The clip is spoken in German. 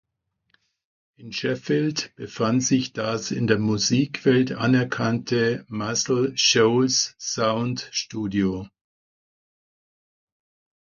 In Sheffield befand sich das in der Musikwelt anerkannte Muscle Shoals Sound Studio.